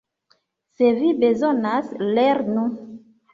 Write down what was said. Se vi bezonas lernu.